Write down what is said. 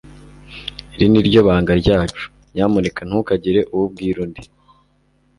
Iri ni ryo banga ryacu. Nyamuneka ntukagire uwo ubwira undi.